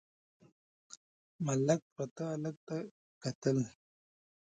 ملک پراته هلک ته کتل….